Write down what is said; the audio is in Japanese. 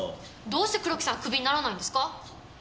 どうして黒木さんクビにならないんですか？